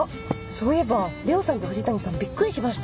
そういえば玲緒さんと藤谷さんびっくりしました。